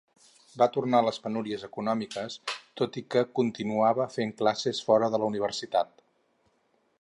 Va tornar les penúries econòmiques, tot i que continuava fent classes fora de la universitat.